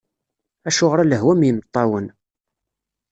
Acuɣer a lehwa mm yimeṭṭawen!